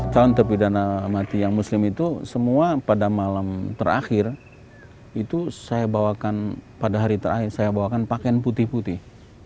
calon terpidana mati yang muslim itu semua pada malam terakhir itu saya bawakan pada hari terakhir saya bawakan pakaian putih putih